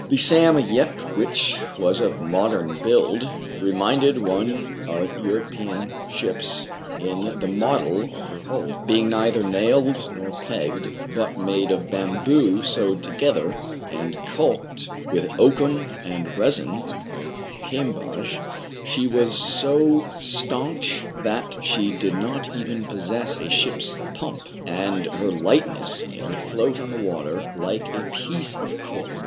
The "Sam Yep,'* which was of modern build, reminded one of European ships in the model of her hull. Being neither nailed nor pegged, but made of bamboo sewed together, and calked with oakum and resin of Camboge, she was so stanch that she did not even possess a ship's pump ; and her lightness made her float on the water like a 190 TRIBULATIONS OF A CHINAMAN. piece of cork.